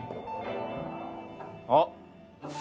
あっ！